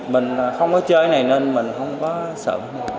mình không có chơi này nên mình không có sợ